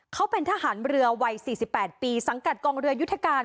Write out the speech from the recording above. เขาเป็นทหารเรือวัยสี่สิบแปดปีสังกัดกองเรือยุธการ